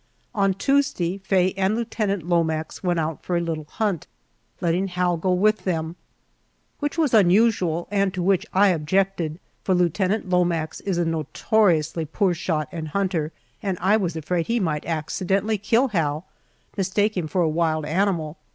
On Tuesday, Faye and Lieutenant Lomax went out for a little hunt, letting Hal go with them, which was unusual, and to which I objected, for Lieutenant Lomax is a notoriously poor shot and hunter, and I was afraid he might accidentally kill Hal mistake him for a wild animal.